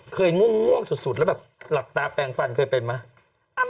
ง่วงสุดแล้วแบบหลับตาแปลงฟันเคยเป็นไหม